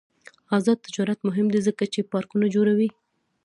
آزاد تجارت مهم دی ځکه چې پارکونه جوړوي.